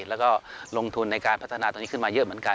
แล้วก็ลงทุนในการพัฒนาตรงนี้ขึ้นมาเยอะเหมือนกัน